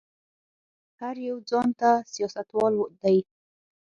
هر يو ځان ته سياستوال دی.